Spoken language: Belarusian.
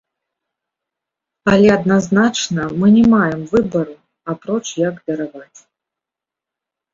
Але, адназначна, мы не маем выбару, апроч як дараваць.